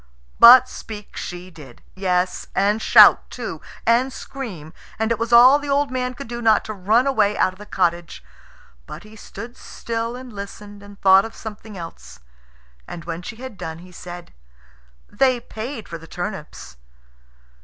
But speak she did yes, and shout too and scream and it was all the old man could do not to run away out of the cottage. But he stood still and listened, and thought of something else; and when she had done he said, "They paid for the turnips."